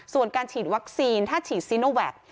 ส่วนการฉีดวัคซีนถ้าฉีดซีโนแวค